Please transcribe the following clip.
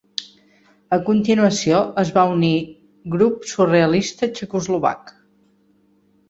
A continuació es va unir Grup Surrealista Txecoslovac.